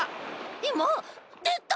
いまでた。